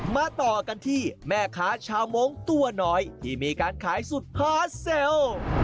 มาต่อกันที่แม่ค้าชาวมงค์ตัวน้อยที่มีการขายสุดฮาสเซล